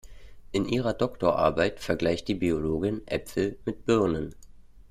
In ihrer Doktorarbeit vergleicht die Biologin Äpfel mit Birnen.